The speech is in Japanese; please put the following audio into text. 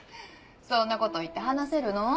そんな事言って話せるの？